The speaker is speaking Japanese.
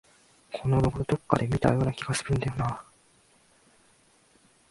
このロゴ、どこかで見たような気がするんだよなあ